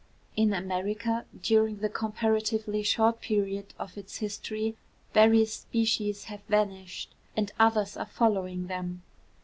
In America, during the comparatively short period of its history, various species have vanished, and others are following them.